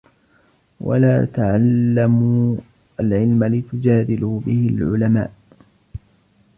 وَلَا تَعَلَّمُوا الْعِلْمَ لِتُجَادِلُوا بِهِ الْعُلَمَاءَ